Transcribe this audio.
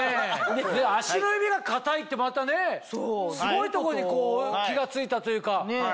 足の指が硬いってまたねすごいとこに気が付いたというか。ねぇ。